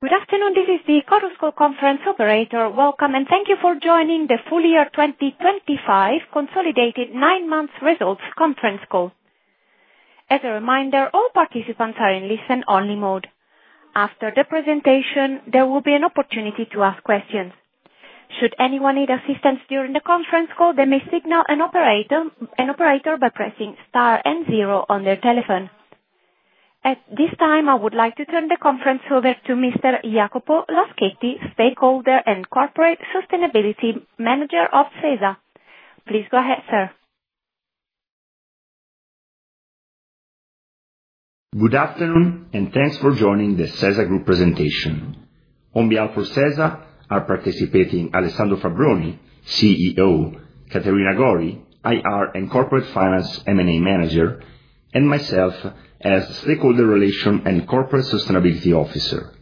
Good afternoon. This is the Chorus Call conference operator. Welcome, and thank you for joining the full year 2025 consolidated nine months results conference call. As a reminder, all participants are in listen only mode. After the presentation, there will be an opportunity to ask questions. Should anyone need assistance during the conference call, they may signal an operator by pressing Star and zero on their telephone. At this time, I would like to turn the conference over to Mr. Jacopo Laschetti, Stakeholder and Corporate Sustainability Officer of SeSa. Please go ahead, sir. Good afternoon, and thanks for joining the SeSa Group presentation. On behalf of SeSa, are participating Alessandro Fabbroni, CEO, Caterina Gori, IR and Corporate Finance M&A Manager, and myself as Stakeholder Relation and Corporate Sustainability Officer.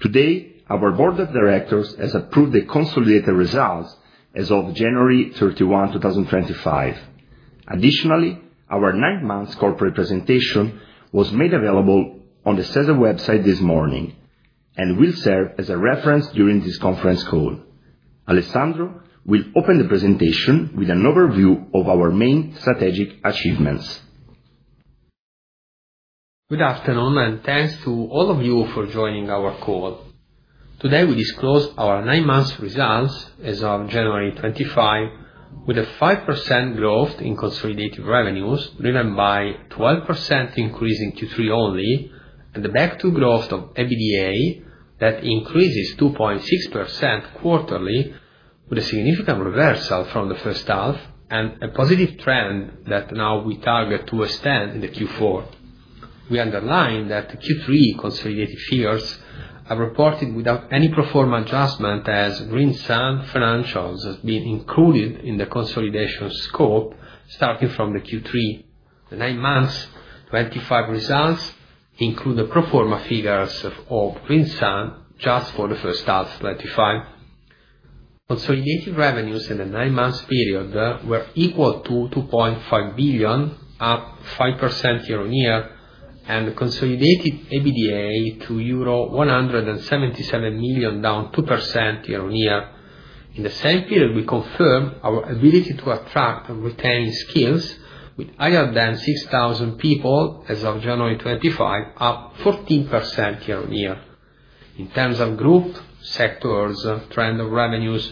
Today, our board of directors has approved the consolidated results as of January 31, 2025. Additionally, our nine months corporate presentation was made available on the SeSa website this morning, and will serve as a reference during this conference call. Alessandro will open the presentation with an overview of our main strategic achievements. Good afternoon, and thanks to all of you for joining our call. Today, we disclose our nine months results as of January 2025, with a 5% growth in consolidated revenues, driven by 12% increase in Q3 only, and the back to growth of EBITDA that increases 2.6% quarterly, with a significant reversal from the first half and a positive trend that now we target to extend in the Q4. We underline that the Q3 consolidated figures are reported without any pro forma adjustment as GreenSun financials has been included in the consolidation scope starting from the Q3. The nine months 2025 results include the pro forma figures of GreenSun just for the first half 2025. Consolidated revenues in the nine months period were equal to 2.5 billion, up 5% year-on-year, and consolidated EBITDA to euro 177 million, down 2% year-on-year. In the same period, we confirmed our ability to attract and retain skills with higher than 6,000 people as of January 2025, up 14% year-on-year. In terms of group sectors, trend of revenues,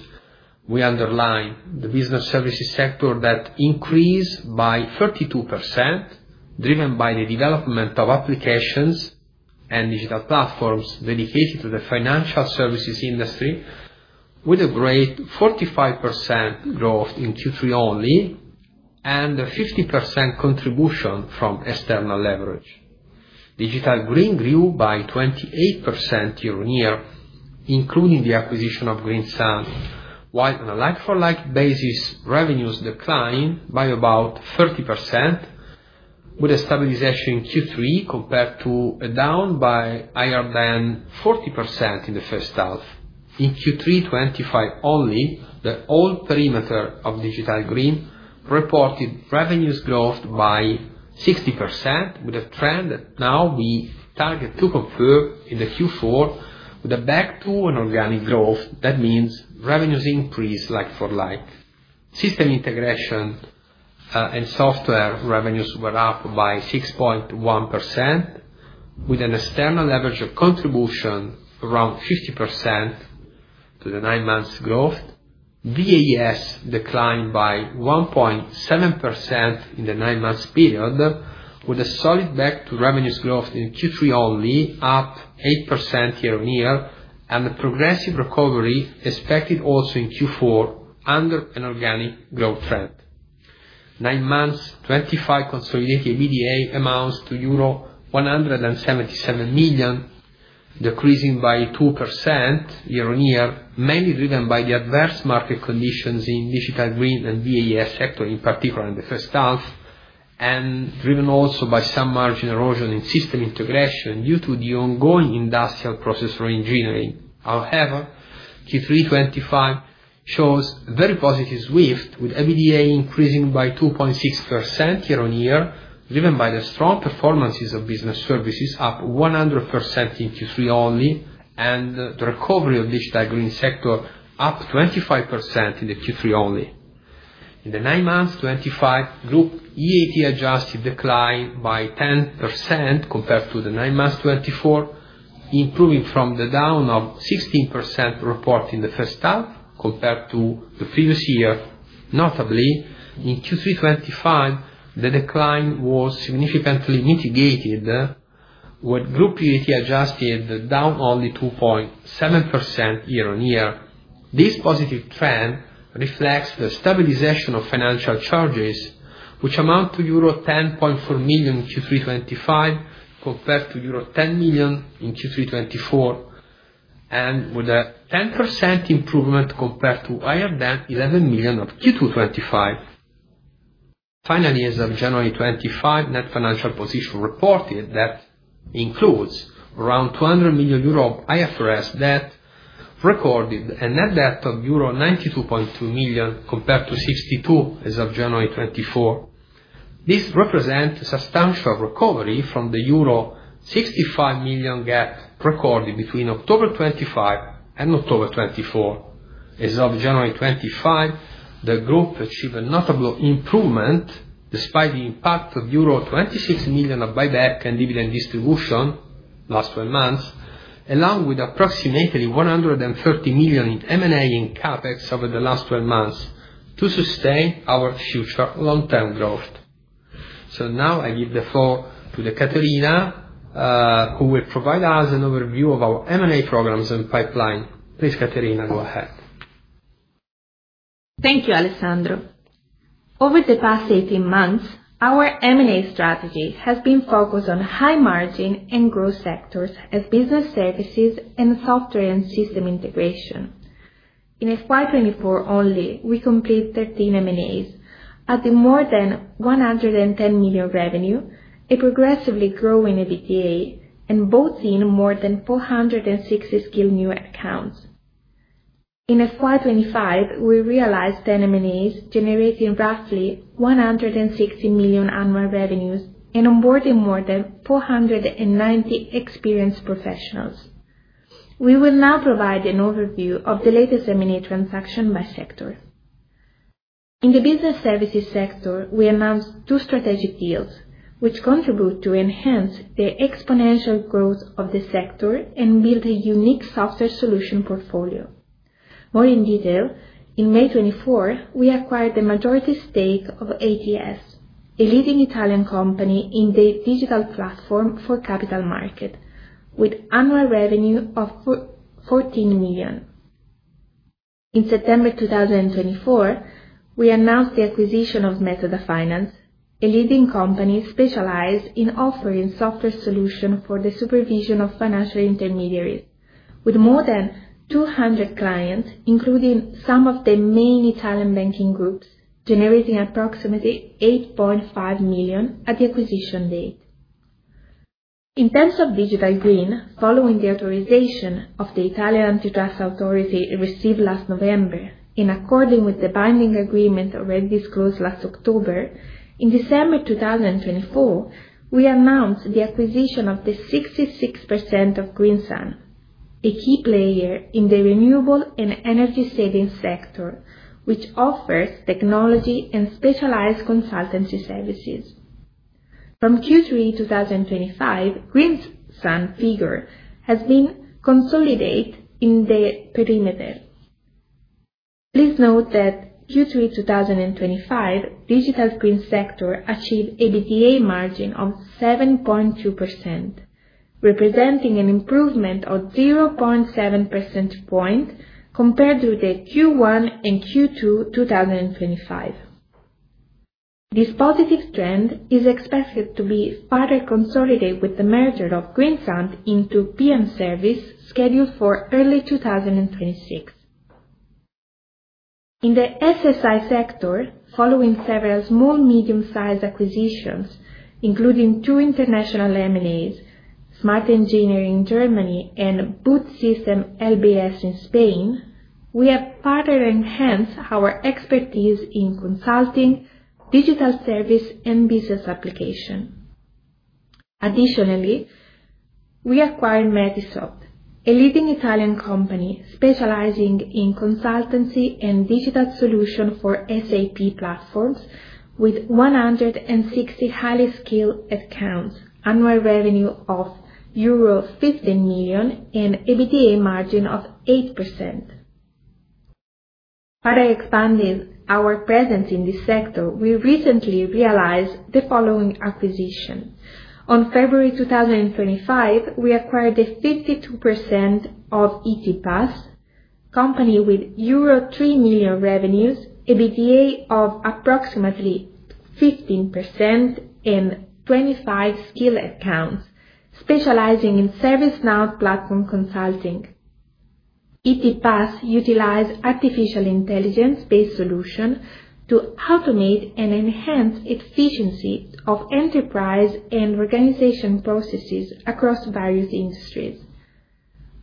we underline the business services sector that increased by 32%, driven by the development of applications and digital platforms dedicated to the financial services industry, with a great 45% growth in Q3 only and a 50% contribution from external leverage. Digital Green grew by 28% year-on-year, including the acquisition of GreenSun, while on a like-for-like basis, revenues declined by about 30% with a stabilization in Q3 compared to a down by higher than 40% in the first half. In Q3 2025 only, the old perimeter of Digital Green reported revenues growth by 60%, with a trend that now we target to confirm in the Q4 with a back 2 in organic growth. That means revenues increase like for like. System integration and software revenues were up by 6.1%, with an external leverage of contribution around 50% to the nine months growth. VAS declined by 1.7% in the nine months period, with a solid back to revenues growth in Q3 only, up 8% year-over-year, and a progressive recovery expected also in Q4 under an organic growth trend. Nine months 2025 consolidated EBITDA amounts to euro 177 million, decreasing by 2% year-over-year, mainly driven by the adverse market conditions in Digital Green and VAS sector, in particular in the first half, and driven also by some margin erosion in system integration due to the ongoing industrial process re-engineering. Q3 2025 shows a very positive swift, with EBITDA increasing by 2.6% year-over-year, driven by the strong performances of business services up 100% in Q3 only, and the recovery of Digital Green sector up 25% in the Q3 only. In the nine months 2025, group EBIT adjusted declined by 10% compared to the nine months 2024, improving from the down of 16% report in the first half compared to the previous year. Notably, in Q3 2025, the decline was significantly mitigated with group EBIT adjusted down only 2.7% year-over-year. This positive trend reflects the stabilization of financial charges, which amount to euro 10.4 million in Q3 2025 compared to euro 10 million in Q3 2024, and with a 10% improvement compared to higher than 11 million of Q2 2025. As of January 2025, net financial position reported that includes around 200 million euro IFRS debt recorded a net debt of euro 92.2 million compared to 62 million as of January 2024. This represents substantial recovery from the euro 65 million gap recorded between October 2025 and October 2024. As of January 2025, the group achieved a notable improvement despite the impact of euro 26 million of buyback and dividend distribution last 12 months, along with approximately 130 million in M&A and CapEx over the last 12 months to sustain our future long-term growth. Now I give the floor to Caterina, who will provide us an overview of our M&A programs and pipeline. Please, Caterina, go ahead. Thank you, Alessandro. Over the past 18 months, our M&A strategy has been focused on high margin and growth sectors as business services and software and system integration. In FY 2024 only, we completed 13 M&As at more than 110 million revenue, a progressively growing EBITDA, and brought in more than 460 skilled new accounts. In FY 2025, we realized 10 M&As, generating roughly 160 million annual revenues and onboarding more than 490 experienced professionals. We will now provide an overview of the latest M&A transaction by sector. In the business services sector, we announced two strategic deals, which contribute to enhance the exponential growth of the sector and build a unique software solution portfolio. More in detail, in May 2024, we acquired the majority stake of ATS, a leading Italian company in the digital platform for capital market with annual revenue of 14 million. In September 2024, we announced the acquisition of Metoda Finance, a leading company specialized in offering software solution for the supervision of financial intermediaries. With more than 200 clients, including some of the main Italian banking groups, generating approximately 8.5 million at the acquisition date. In terms of Digital Green, following the authorization of the Italian Competition Authority received last November, and according with the binding agreement already disclosed last October, in December 2024, we announced the acquisition of the 66% of GreenSun, a key player in the renewable and energy saving sector, which offers technology and specialized consultancy services. From Q3 2025, GreenSun figure has been consolidate in the perimeter. Please note that Q3 2025, Digital Green sector achieved EBITDA margin of 7.2%, representing an improvement of 0.7 percentage point compared with the Q1 and Q2 2025. This positive trend is expected to be further consolidated with the merger of GreenSun into PM Service scheduled for early 2026. In the SSI sector, following several small-medium sized acquisitions, including two international M&As, Smart Engineering Germany and Buot Systems LBS in Spain, we have further enhanced our expertise in consulting, digital service and business application. Additionally, we acquired Metisoft, a leading Italian company specializing in consultancy and digital solution for SAP platforms with 160 highly skilled accounts, annual revenue of euro 15 million, and EBITDA margin of 8%. Further expanding our presence in this sector, we recently realized the following acquisition. On February 2025, we acquired the 52% of ETAS, company with euro 3 million revenues, EBITDA of approximately 15%, and 25 skilled accounts specializing in ServiceNow platform consulting. ETAS utilize artificial intelligence-based solution to automate and enhance efficiency of enterprise and organization processes across various industries.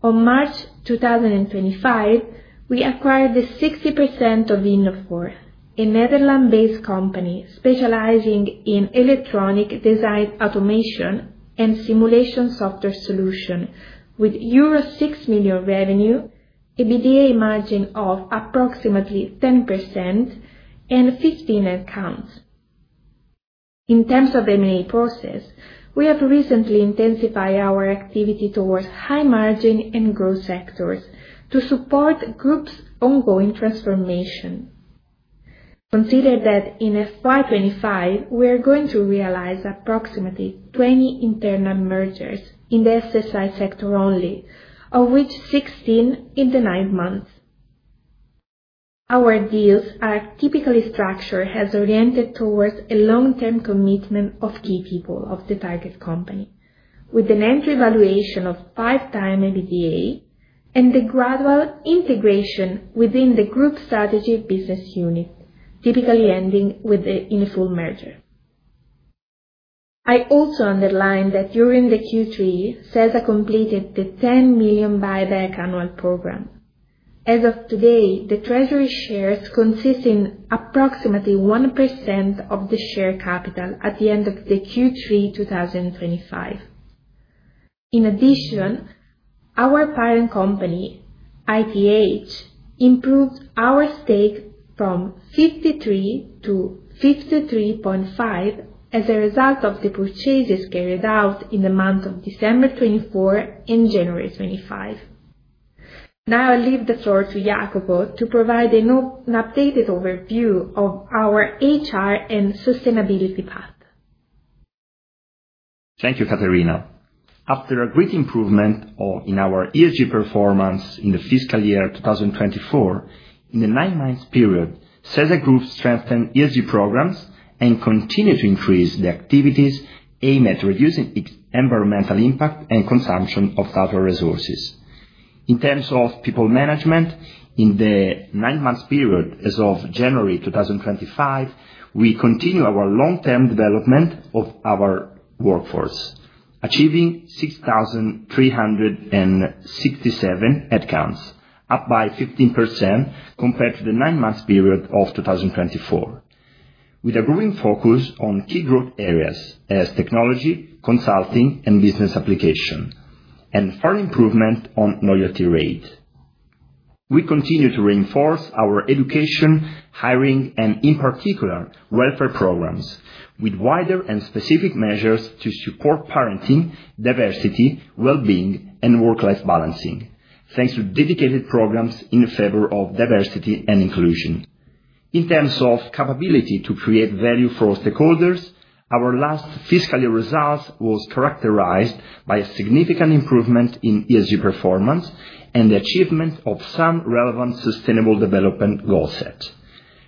On March 2025, we acquired the 60% of InnoFour, a Netherlands-based company specializing in electronic design automation and simulation software solution with euro 6 million revenue, EBITDA margin of approximately 10%, and 15 accounts. In terms of M&A process, we have recently intensified our activity towards high margin and growth sectors to support group's ongoing transformation. Consider that in FY 2025, we are going to realize approximately 20 internal mergers in the SSI sector only, of which 16 in the nine months. Our deals are typically structured as oriented towards a long-term commitment of key people of the target company with an entry valuation of 5 times EBITDA and the gradual integration within the group strategic business unit, typically ending in a full merger. I also underlined that during the Q3, SeSa completed the 10 million buyback annual program. As of today, the treasury shares consist in approximately 1% of the share capital at the end of the Q3 2025. In addition, our parent company, ITH, improved our stake from 53% to 53.5% as a result of the purchases carried out in the month of December 2024 and January 2025. Now I leave the floor to Jacopo to provide an updated overview of our HR and sustainability path. Thank you, Caterina. After a great improvement in our ESG performance in the fiscal year 2024, in the nine months period, SeSa Group strengthened ESG programs and continued to increase the activities aimed at reducing its environmental impact and consumption of natural resources. In terms of people management, in the nine months period as of January 2025, we continue our long-term development of our workforce, achieving 6,367 headcounts, up by 15% compared to the nine months period of 2024, with a growing focus on key growth areas as technology, consulting, and business application, and further improvement on loyalty rate. We continue to reinforce our education, hiring, and in particular, welfare programs with wider and specific measures to support parenting, diversity, wellbeing, and work-life balancing, thanks to dedicated programs in favor of diversity and inclusion. In terms of capability to create value for all stakeholders, our last fiscal year results was characterized by a significant improvement in ESG performance and the achievement of some relevant sustainable development goal set.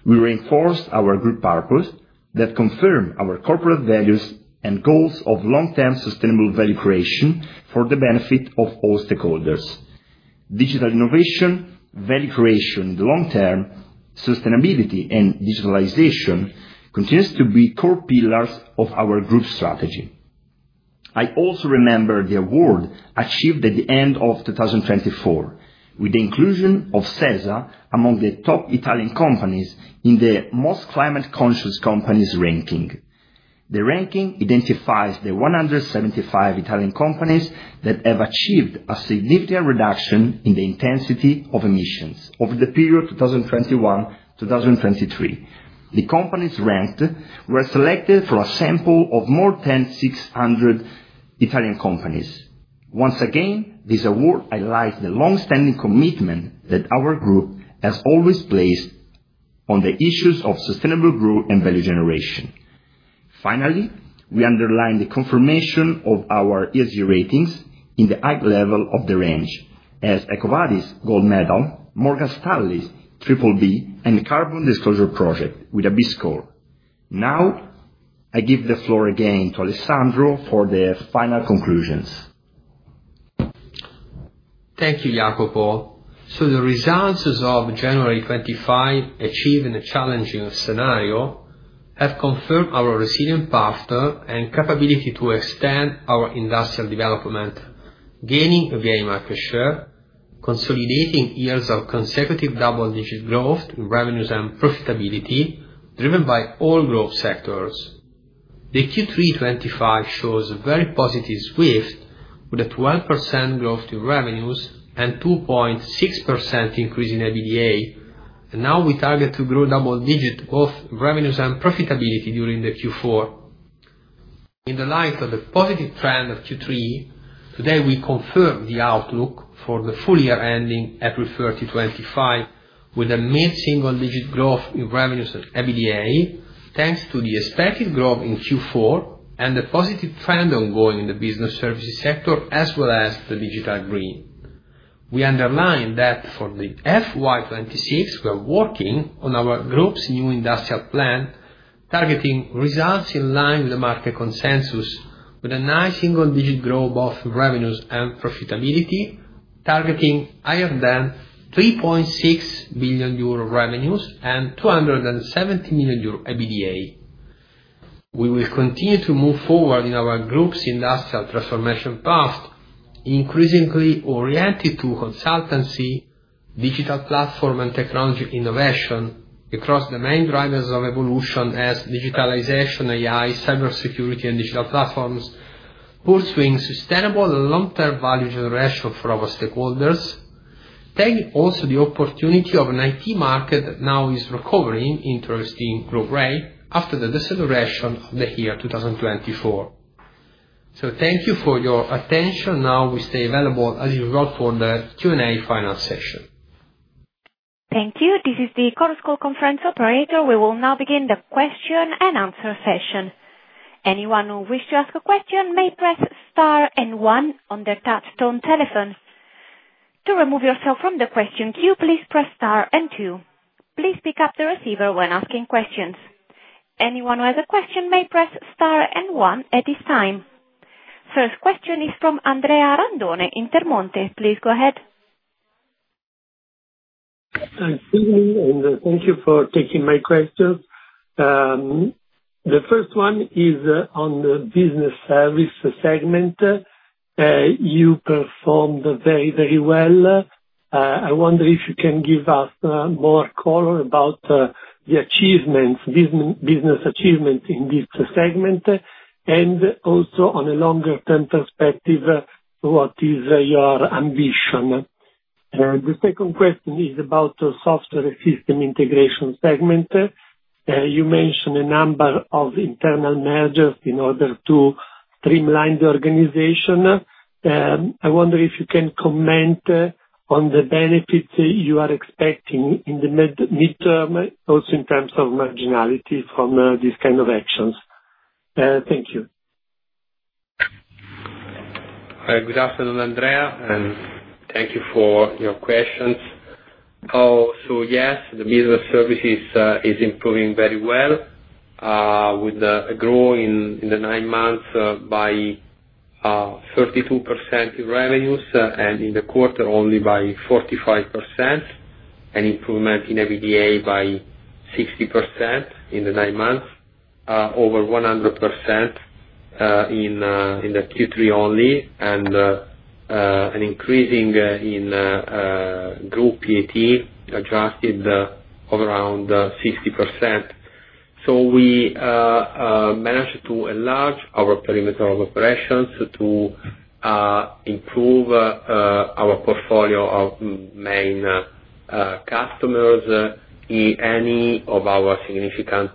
We reinforced our group purpose that confirmed our corporate values and goals of long-term sustainable value creation for the benefit of all stakeholders. Digital innovation, value creation, the long term, sustainability, and digitalization continues to be core pillars of our group strategy. I also remember the award achieved at the end of 2024 with the inclusion of SeSa among the top Italian companies in the most climate conscious companies ranking. The ranking identifies the 175 Italian companies that have achieved a significant reduction in the intensity of emissions over the period 2021, 2023. The companies ranked were selected from a sample of more than 600 Italian companies. Once again, this award highlights the longstanding commitment that our group has always placed on the issues of sustainable growth and value generation. Finally, we underline the confirmation of our ESG ratings in the high level of the range as EcoVadis Gold Medal, Morgan Stanley BBB, and Carbon Disclosure Project with a B score. I give the floor again to Alessandro for the final conclusions. Thank you, Jacopo. The results of January 2025 achieved in a challenging scenario have confirmed our resilient path and capability to extend our industrial development, gaining market share, consolidating years of consecutive double-digit growth in revenues and profitability, driven by all growth sectors. The Q3 2025 shows very positive swift, with a 12% growth in revenues and 2.6% increase in EBITDA, we target to grow double digit both revenues and profitability during the Q4. In the light of the positive trend of Q3, today we confirm the outlook for the full year ending April 30, 2025, with a mid-single digit growth in revenues and EBITDA, thanks to the expected growth in Q4 and the positive trend ongoing in the business services sector, as well as the Digital Green. We underline that for the FY 2026, we are working on our group's new industrial plan, targeting results in line with the market consensus, with a nice single-digit growth, both revenues and profitability, targeting higher than 3.6 billion euro revenues and 270 million euro EBITDA. We will continue to move forward in our group's industrial transformation path, increasingly oriented to consultancy, digital platform, and technology innovation across the main drivers of evolution as digitalization, AI, cybersecurity, and digital platforms, pursuing sustainable and long-term value generation for our stakeholders. Taking also the opportunity of an IT market that now is recovering interesting growth rate after the deceleration of the year 2024. Thank you for your attention. Now we stay available as usual for the Q&A final session. Thank you. This is the Chorus Call conference operator. We will now begin the question and answer session. Anyone who wish to ask a question may press star and one on their touchtone telephone. To remove yourself from the question queue, please press star and two. Please pick up the receiver when asking questions. Anyone who has a question may press star and one at this time. First question is from Andrea Randone, Intermonte. Please go ahead. Good evening. Thank you for taking my question. The first one is on the business service segment. I wonder if you can give us more color about the business achievement in this segment, and also on a longer term perspective, what is your ambition? The second question is about the software system integration segment. You mentioned a number of internal mergers in order to streamline the organization. I wonder if you can comment on the benefits you are expecting in the midterm, also in terms of marginality from these kind of actions. Thank you. Good afternoon, Andrea. Thank you for your questions. So yes, the business services is improving very well, with a growth in the nine months by 32% in revenues, and in the quarter only by 45%, an improvement in EBITDA by 60% in the nine months, over 100% in the Q3 only, and an increasing in group PAT, adjusted of around 60%. So we managed to enlarge our perimeter of operations to improve our portfolio of main customers in any of our significant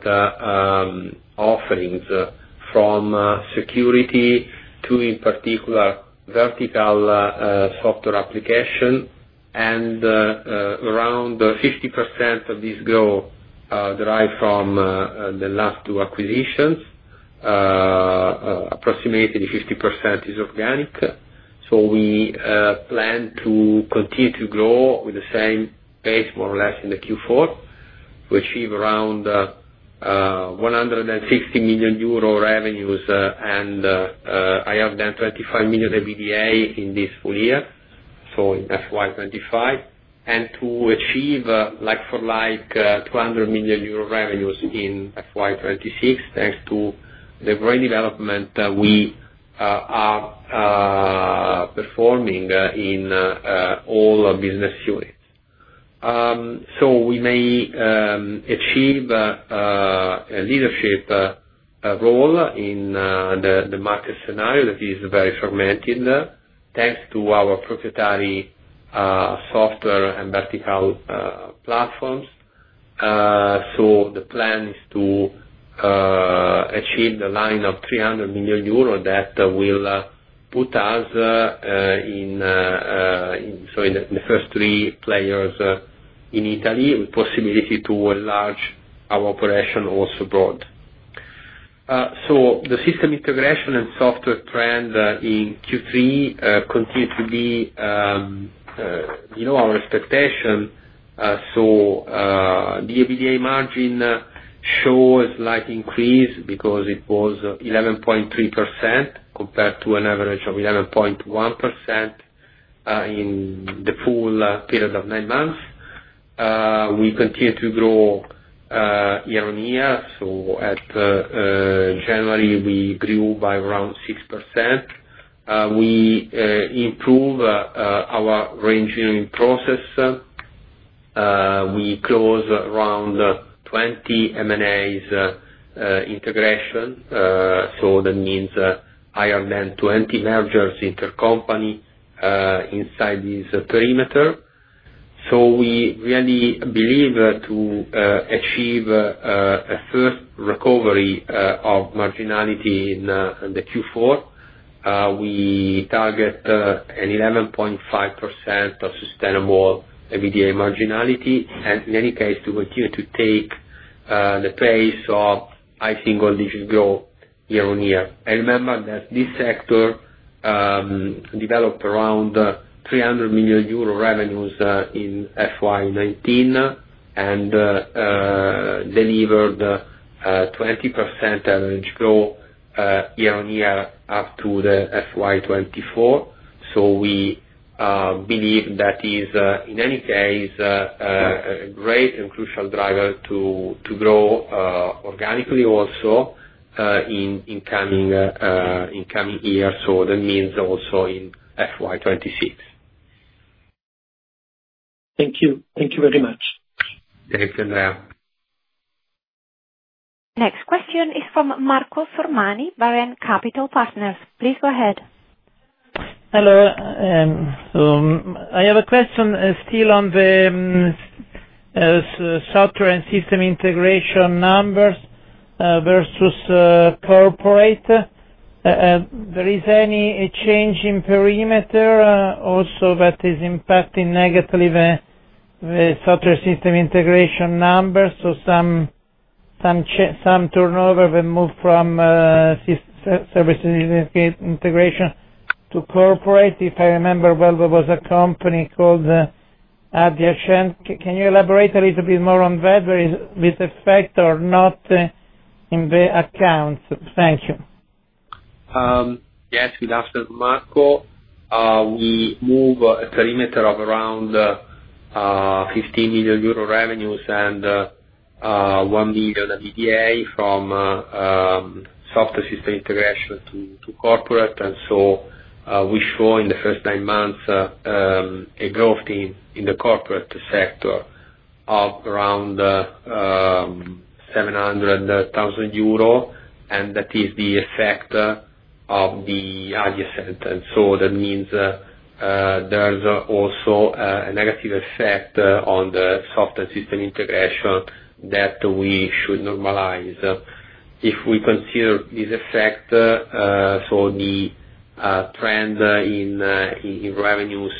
offerings, from security, to, in particular, vertical software application, and around 50% of this growth derive from the last two acquisitions. Approximately 50% is organic. We plan to continue to grow with the same pace, more or less, in the Q4, to achieve around 160 million euro revenues and higher than 25 million EBITDA in this full year, in FY 2025, and to achieve like for like 200 million euro revenues in FY 2026, thanks to the great development that we are performing in all business units. We may achieve a leadership role in the market scenario that is very fragmented, thanks to our proprietary software and vertical platforms. The plan is to achieve the line of 300 million euro that will put us in the first three players in Italy, with possibility to enlarge our operation also abroad. The system integration and software trend in Q3 continue to be our expectation. The EBITDA margin shows slight increase because it was 11.3% compared to an average of 11.1% in the full period of nine months. We continue to grow year-on-year. At January, we grew by around 6%. We improve our range in process. We close around 20 M&As integration. That means higher than 20 mergers inter-company inside this perimeter. We really believe to achieve a first recovery of marginality in the Q4. We target an 11.5% of sustainable EBITDA marginality. In any case, to continue to take the pace of high single digit growth year-on-year. Remember that this sector developed around 300 million euro revenues in FY 2019, and delivered a 20% average growth year-on-year up to the FY 2024. We believe that is, in any case, a great and crucial driver to grow organically also in coming years, that means also in FY 2026. Thank you. Thank you very much. Thank you, Andrea. Next question is from Marco Sormani, Varenne Capital Partners. Please go ahead. Hello. I have a question still on the software and system integration numbers versus corporate. Is there any change in perimeter also that is impacting negatively the software system integration numbers, so some turnover were moved from service integration to corporate. If I remember well, there was a company called Agilium. Can you elaborate a little bit more on whether is this effect or not in the accounts? Thank you. Yes, good afternoon, Marco. We move a perimeter of around 15 million euro revenues and 1 million EBITDA from software system integration to corporate. We show in the first nine months, a growth in the corporate sector of around 700,000 euro, and that is the effect of the Agilium sentence. That means there's also a negative effect on the software system integration that we should normalize. If we consider this effect, the trend in revenues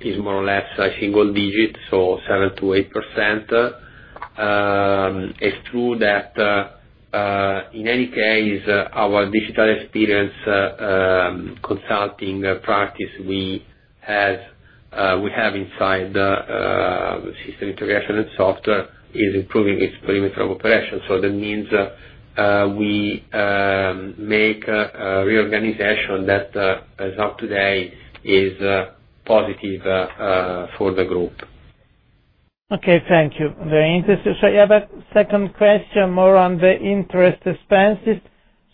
is more or less a single digit, 7%-8%. It's true that, in any case, our digital experience consulting practice we have inside the system integration and software is improving its perimeter of operation. That means we make a reorganization that, as of today, is positive for the group. Okay. Thank you. Very interesting. I have a second question more on the interest expenses.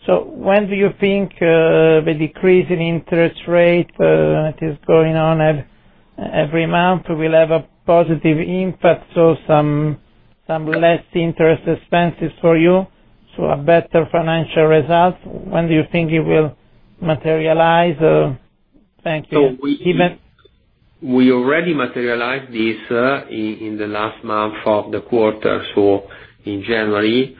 When do you think the decrease in interest rate that is going on every month will have a positive impact, so some less interest expenses for you, so a better financial result? When do you think it will materialize? Thank you. We already materialized this in the last month of the quarter, in January.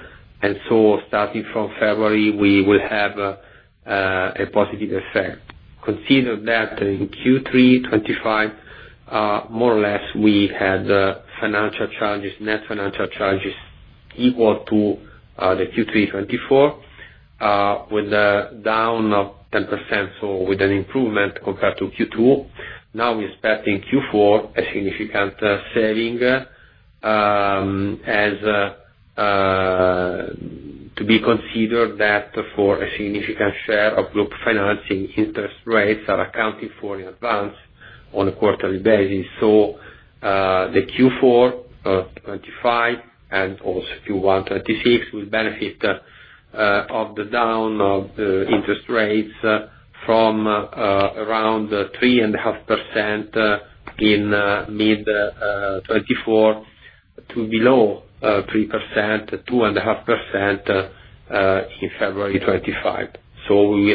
Starting from February, we will have a positive effect. Consider that in Q3 2025, more or less, we had financial charges, net financial charges equal to the Q3 2024, with a down of 10%, with an improvement compared to Q2. We're expecting Q4, a significant saving, to be considered that for a significant share of group financing, interest rates are accounted for in advance on a quarterly basis. The Q4 2025 and also Q1 2026 will benefit of the down of the interest rates from around 3.5% in mid 2024 to below 3%, 2.5% in February 2025. We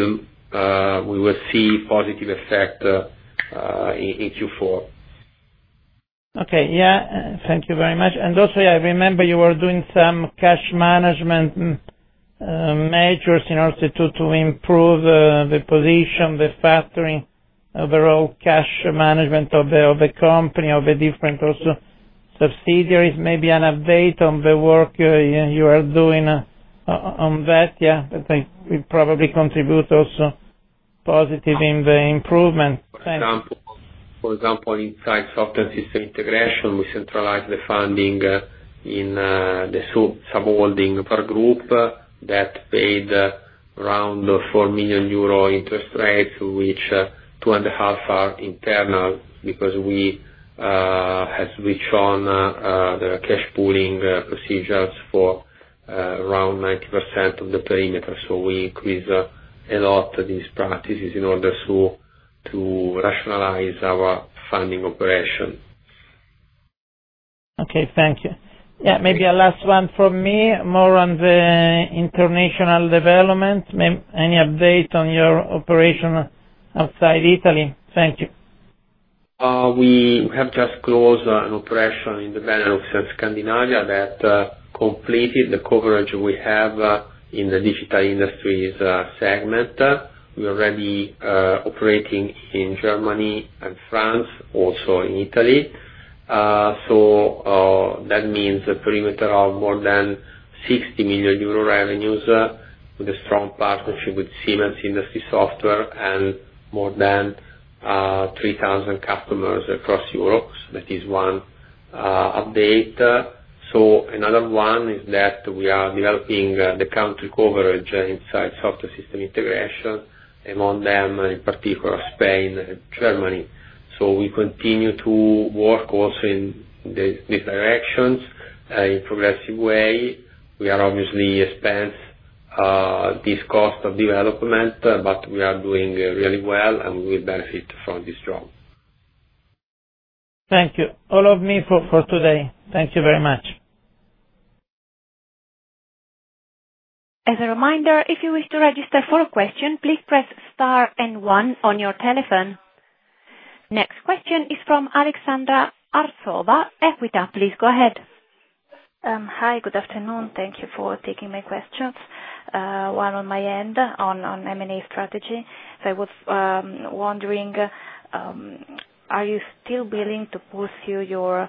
will see positive effect in Q4. Okay. Yeah. Thank you very much. Also, I remember you were doing some cash management measures in order to improve the position, the factoring of the raw cash management of the company, of the different also subsidiaries. Maybe an update on the work you are doing on that, yeah. I think it probably contributes also positive in the improvement. Thanks. For example, inside Software System Integration, we centralize the funding in the subholding Var Group that paid around 4 million euro interest rates, which 2.5 are internal because we have withdrawn the cash pooling procedures for around 90% of the perimeter. We increase a lot these practices in order to rationalize our funding operation. Okay. Thank you. Yeah. Maybe a last one from me, more on the international development. Ma'am, any update on your operation outside Italy? Thank you. We have just closed an operation in the Benelux and Scandinavia that completed the coverage we have in the digital industries segment. We're already operating in Germany and France, also in Italy. That means a perimeter of more than 60 million euro revenues with a strong partnership with Siemens Digital Industries Software and more than 3,000 customers across Europe. That is one update. Another one is that we are developing the country coverage inside software system integration, among them, in particular, Spain and Germany. We continue to work also in these directions in progressive way. We are obviously expense this cost of development, but we are doing really well, and we will benefit from this job. Thank you. All of me for today. Thank you very much. As a reminder, if you wish to register for a question, please press star and one on your telephone. Next question is from Aleksandra Arsova, Equita. Please go ahead. Hi. Good afternoon. Thank you for taking my questions. One on my end on M&A strategy. I was wondering, are you still willing to pursue your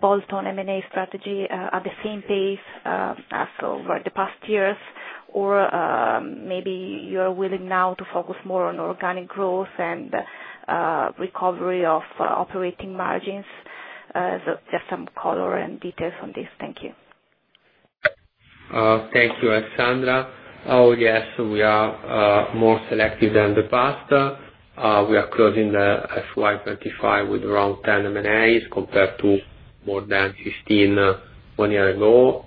bolt-on M&A strategy at the same pace as over the past years? Or maybe you're willing now to focus more on organic growth and recovery of operating margins? Just some color and details on this. Thank you. Thank you, Aleksandra. Yes, we are more selective than the past. We are closing the FY 2025 with around 10 M&As, compared to more than 15 one year ago.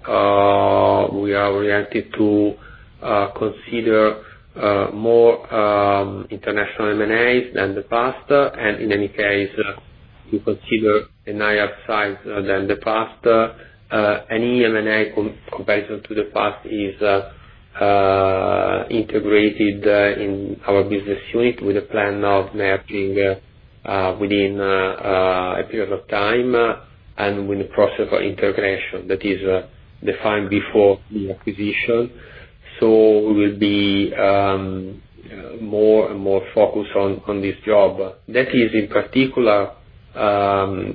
We are reacting to consider more international M&As than the past, and in any case, we consider a higher size than the past. Any M&A comparison to the past is integrated in our business unit with a plan of merging within a period of time, and with the process of integration that is defined before the acquisition. We will be more and more focused on this job. That is, in particular,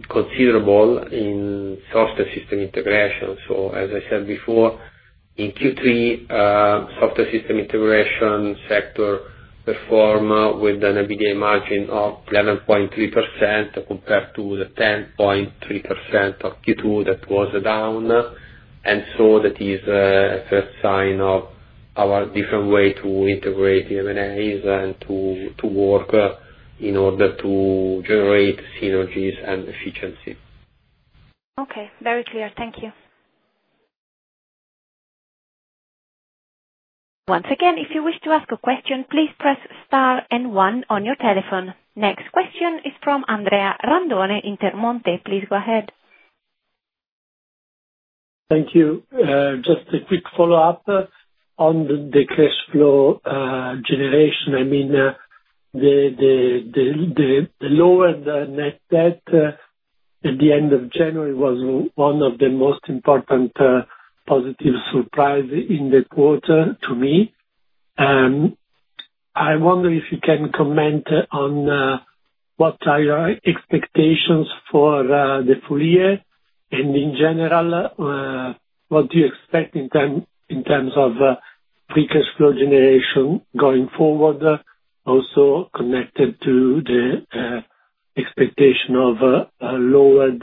considerable in software system integration. As I said before, in Q3, software system integration sector performed with an EBITDA margin of 11.3% compared to the 10.3% of Q2. That was down. That is a first sign of our different way to integrate M&As and to work in order to generate synergies and efficiency. Okay, very clear. Thank you. Once again, if you wish to ask a question, please press star and one on your telephone. Next question is from Andrea Randone, Intermonte. Please go ahead. Thank you. Just a quick follow-up on the cash flow generation. I mean, the lower net debt at the end of January was one of the most important positive surprise in the quarter to me. I wonder if you can comment on what are your expectations for the full year and in general, what do you expect in terms of free cash flow generation going forward? Also connected to the expectation of a lowered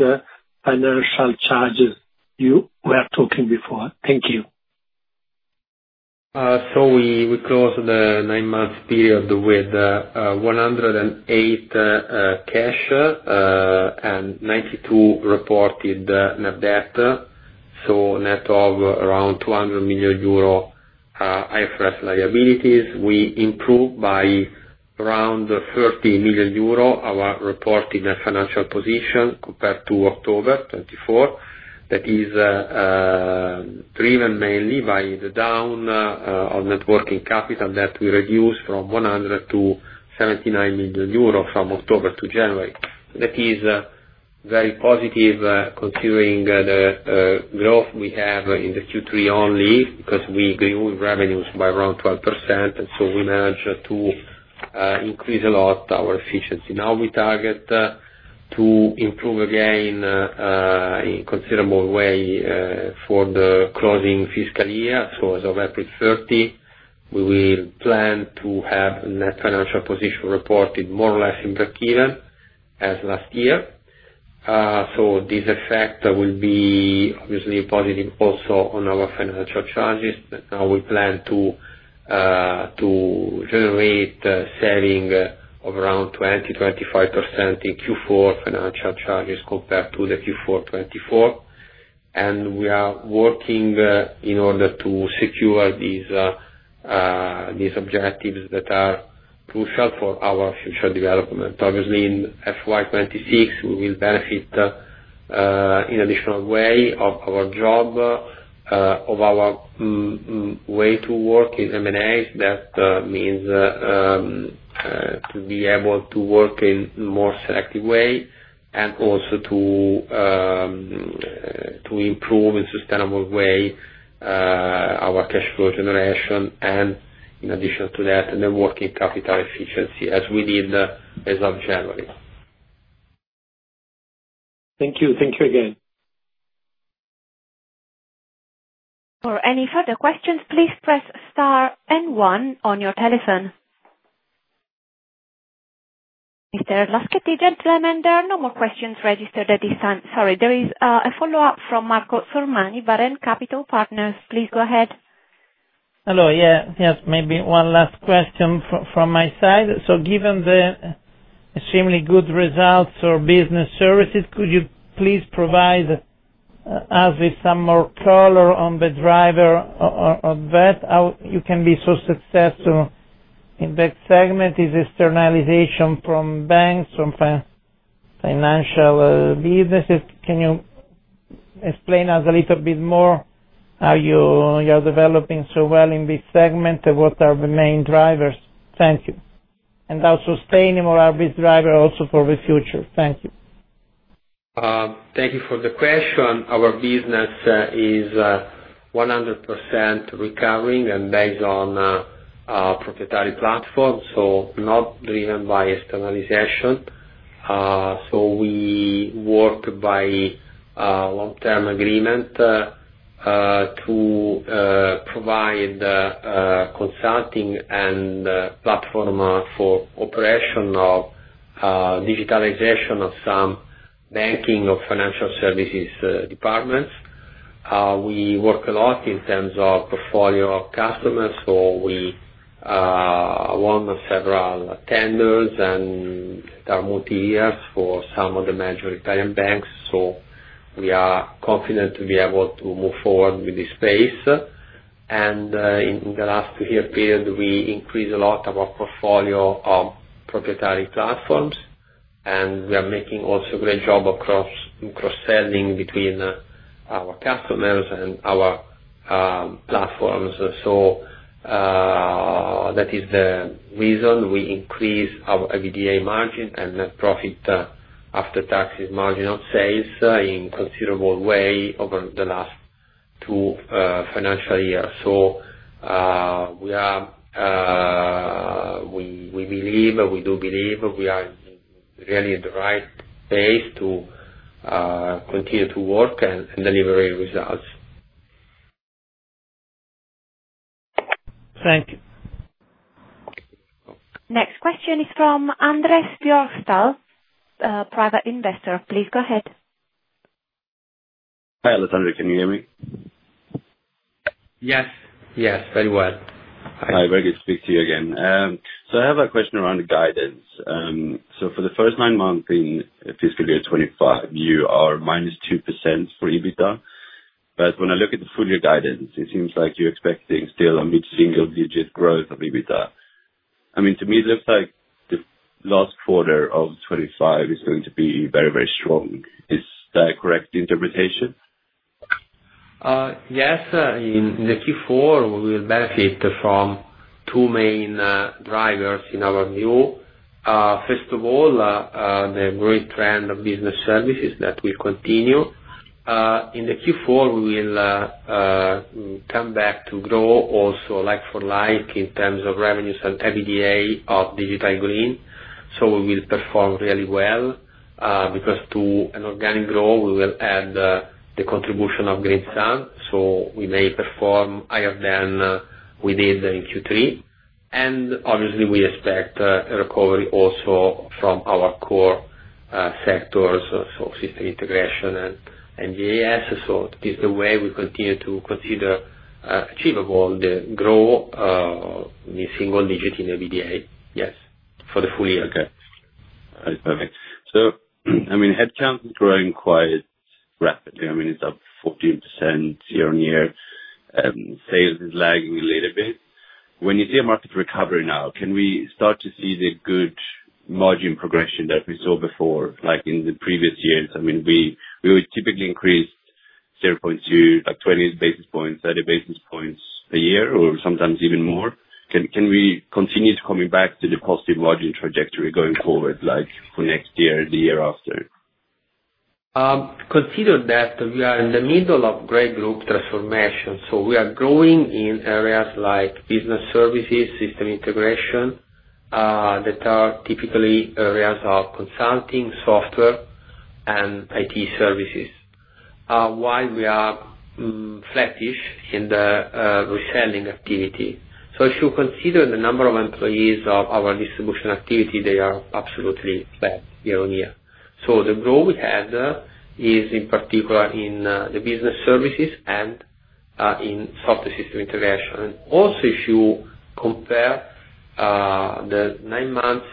financial charges you were talking before. Thank you. We closed the nine-month period with 108 cash, and 92 reported net debt, net of around 200 million euro IFRS liabilities. We improved by around 30 million euro, our report in a financial position compared to October 2024. That is driven mainly by the down of net working capital that we reduced from 100 million-79 million euros from October to January. That is very positive considering the growth we have in the Q3 only because we grew revenues by around 12%. We managed to increase a lot our efficiency. We target to improve again, in considerable way, for the closing fiscal year. As of April 30, we will plan to have net financial position reported more or less in break even as last year. This effect will be obviously positive also on our financial charges. Now we plan to generate saving of around 20%-25% in Q4 financial charges compared to the Q4 2024. We are working in order to secure these objectives that are crucial for our future development. Obviously, in FY 2026, we will benefit, in additional way of our job, of our way to work in M&As. That means to be able to work in more selective way and also to improve in sustainable way our cash flow generation and in addition to that, the net working capital efficiency as we did as of January. Thank you. Thank you again. For any further questions, please press star and one on your telephone. Mr. Laschetti, gentlemen, there are no more questions registered at this time. Sorry, there is a follow-up from Marco Sormani, Varenne Capital Partners. Please go ahead. Hello. Yeah. Yes, maybe one last question from my side. Given the extremely good results for business services, could you please provide us with some more color on the driver of that? How you can be so successful in that segment? Is externalization from banks, from financial businesses? Can you explain us a little bit more how you are developing so well in this segment? What are the main drivers? Thank you. How sustainable are these drivers also for the future? Thank you. Thank you for the question. Our business is 100% recurring and based on a proprietary platform, not driven by externalization. We work by a long-term agreement to provide consulting and platform for operation of digitalization of some banking of financial services departments. We work a lot in terms of portfolio of customers, we won several tenders and term years for some of the major Italian banks. We are confident we are able to move forward with this space. In the last year period, we increased a lot of our portfolio of proprietary platforms, and we are making also great job of cross-selling between our customers and our platforms. That is the reason we increased our EBITDA margin and net profit after taxes margin of sales in considerable way over the last two financial years. We do believe we are really in the right place to continue to work and deliver results. Thank you. Next question is from Andrea Björnsdóttir, private investor. Please go ahead. Hi, Alessandro. Can you hear me? Yes. Very well. Hi. Very good to speak to you again. I have a question around the guidance. For the first nine months in fiscal year 2025, you are -2% for EBITDA. When I look at the full year guidance, it seems like you're expecting still a mid-single-digit growth of EBITDA. To me, it looks like the last quarter of 2025 is going to be very, very strong. Is that a correct interpretation? Yes. In the Q4, we will benefit from two main drivers, in our view. First of all, the great trend of business services that will continue. In the Q4, we will come back to grow also like-for-like in terms of revenues and EBITDA of Digital Green. We will perform really well, because to an organic growth, we will add the contribution of GreenSun. We may perform higher than we did in Q3. Obviously, we expect a recovery also from our core sectors, system integration and GES. It is the way we continue to consider achievable the growth in single digit in EBITDA. Yes. For the full year. Okay. Perfect. Headcount is growing quite rapidly. It's up 14% year-on-year. Sales is lagging a little bit. When you see a market recovery now, can we start to see the good margin progression that we saw before, like in the previous years? We would typically increase 0.2, like 20 basis points, 30 basis points a year or sometimes even more. Can we continue coming back to the positive margin trajectory going forward, like for next year or the year after? Consider that we are in the middle of group transformation, we are growing in areas like business services, system integration, that are typically areas of consulting software and IT services, while we are flattish in the reselling activity. If you consider the number of employees of our distribution activity, they are absolutely flat year-on-year. The growth we had is in particular in the business services and in software system integration. Also, if you compare the nine months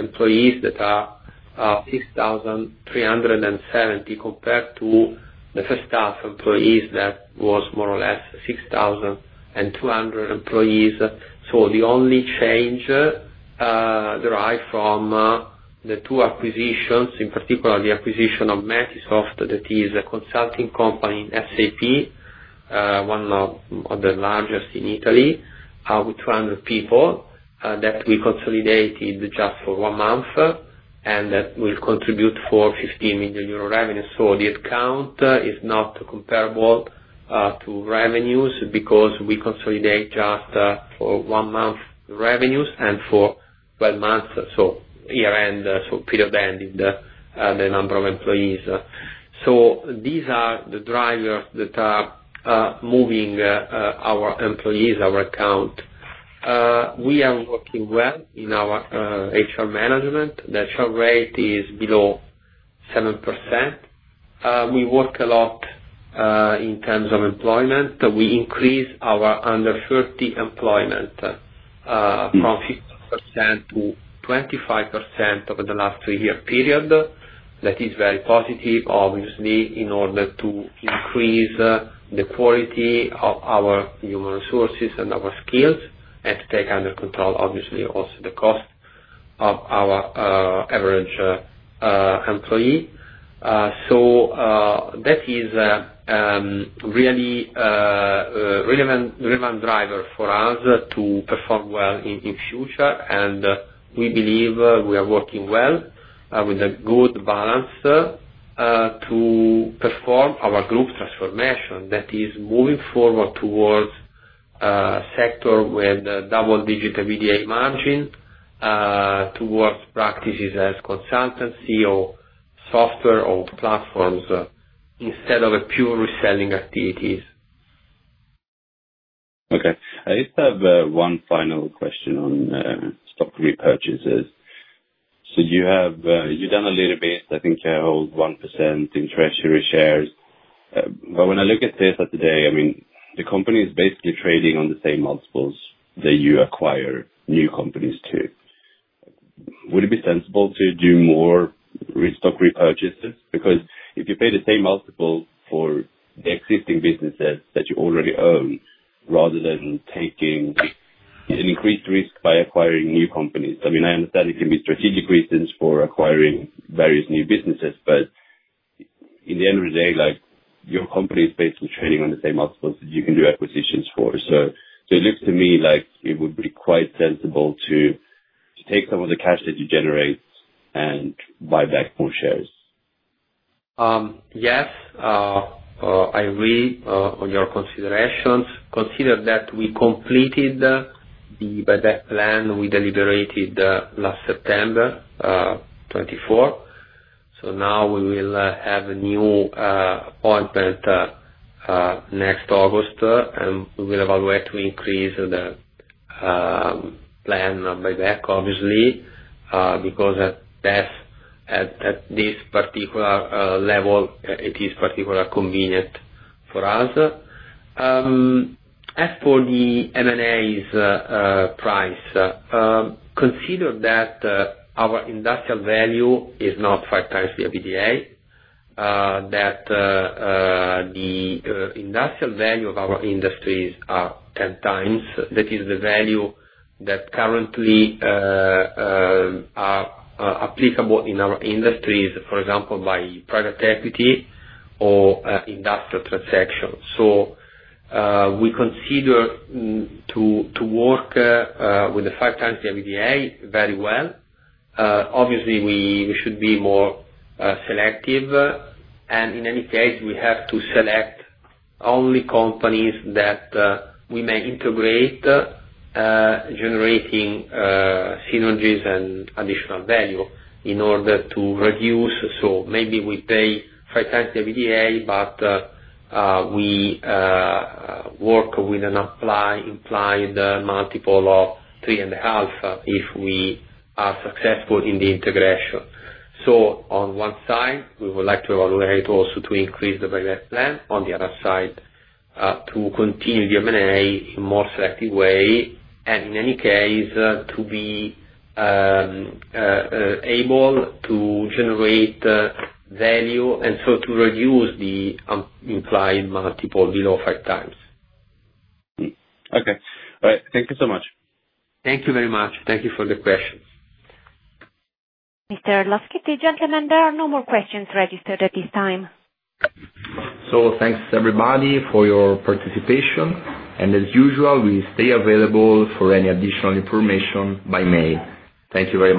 employees that are 6,370 compared to the first half employees, that was more or less 6,200 employees. The only change derived from the two acquisitions, in particular the acquisition of Metisoft, that is a consulting company in SAP, one of the largest in Italy, with 200 people, that we consolidated just for one month, and that will contribute for 15 million euro revenue. The headcount is not comparable to revenues because we consolidate just for one month revenues and for 12 months, year end, period end, the number of employees. These are the drivers that are moving our employees, our account. We are working well in our HR management. The churn rate is below 7%. We work a lot in terms of employment. We increase our under 30 employment from 15%-25% over the last three-year period. That is very positive, obviously, in order to increase the quality of our human resources and our skills, and to take under control, obviously, also the cost of our average employee. That is a really relevant driver for us to perform well in future. We believe we are working well with a good balance to perform our group transformation that is moving forward towards a sector with double-digit EBITDA margin towards practices as consultancy or software or platforms, instead of pure reselling activities. Okay. I just have one final question on stock repurchases. You've done a little bit, I think you hold 1% in treasury shares. When I look at SeSa today, the company is basically trading on the same multiples that you acquire new companies to. Would it be sensible to do more stock repurchases? Because if you pay the same multiple for existing businesses that you already own, rather than taking an increased risk by acquiring new companies. I understand it can be strategic reasons for acquiring various new businesses, but at the end of the day, your company is basically trading on the same multiples that you can do acquisitions for. It looks to me like it would be quite sensible to take some of the cash that you generate and buy back more shares. Yes. I agree on your considerations. Consider that we completed the buyback plan we deliberated last September 24. Now we will have a new appointment next August, and we will evaluate to increase the plan buyback obviously, because at this particular level, it is particularly convenient for us. As for the M&A's price, consider that our industrial value is not 5x the EBITDA, that the industrial value of our industries are 10x. That is the value that currently are applicable in our industries, for example, by private equity or industrial transactions. We consider to work with the 5x the EBITDA very well. Obviously, we should be more selective. In any case, we have to select only companies that we may integrate, generating synergies and additional value in order to reduce. Maybe we pay 5x the EBITDA, but we work with an implied multiple of three and a half if we are successful in the integration. On one side, we would like to evaluate also to increase the buyback plan. On the other side, to continue the M&A in more selective way. In any case, to be able to generate value, to reduce the implied multiple below 5x. Okay. All right. Thank you so much. Thank you very much. Thank you for the question. Mr. Laschetti, gentlemen, there are no more questions registered at this time. Thanks everybody for your participation, and as usual, we stay available for any additional information by May. Thank you very much.